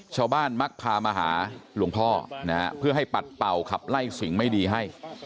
มักพามาหาหลวงพ่อนะฮะเพื่อให้ปัดเป่าขับไล่สิ่งไม่ดีให้